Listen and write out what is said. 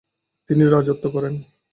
তিনি রাজত্ব করেন।